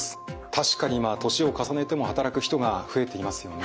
確かに今年を重ねても働く人が増えていますよね。